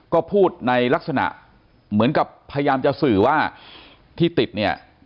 ก็พูดในลักษณะเหมือนกับพยายามจะสื่อว่าที่ติดเนี่ย